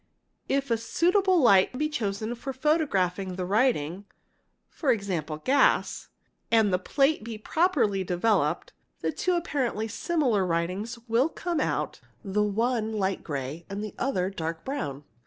If a suitable light be chosen for photographing the writing (e.g., gas), and the plate be properly developed, the two apparently simula writings will come out, the one light gray and the other dark brown.